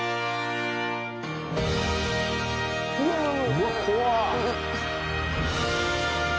うわ怖っ！